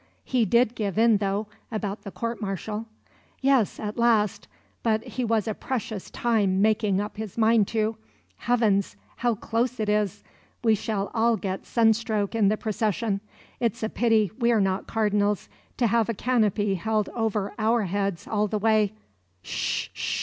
"He did give in, though, about the court martial." "Yes, at last; but he was a precious time making up his mind to. Heavens, how close it is! We shall all get sun stroke in the procession. It's a pity we're not Cardinals, to have a canopy held over our heads all the way Sh sh sh!